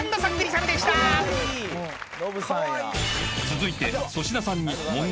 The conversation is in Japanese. ［続いて］